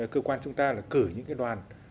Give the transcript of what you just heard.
cơ quan chúng ta là cử những đoàn